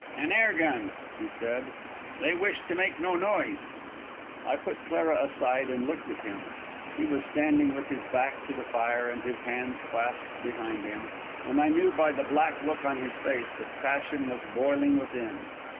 "An air gun," he said. "They wish to make no noise." I put Clara aside, and looked at him. He was standing with his back to the fire and his hands clasped behind him; and I knew by the black look on his face, that passion was boiling within.